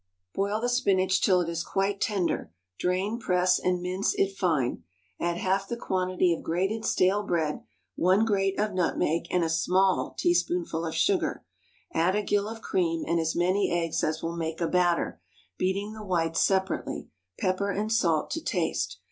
_ Boil the spinach till it is quite tender; drain, press, and mince it fine; add half the quantity of grated stale bread, one grate of nutmeg, and a small teaspoonful of sugar; add a gill of cream and as many eggs as will make a batter, beating the whites separately; pepper and salt to taste.